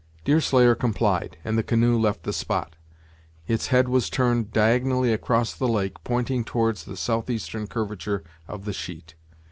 Deerslayer complied, and the canoe left the spot. Its head was turned diagonally across the lake, pointing towards the south eastern curvature of the sheet.